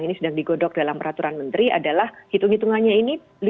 ini sedang digodok dalam peraturan menteri adalah hitung hitungannya ini